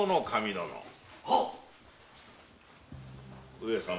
上様。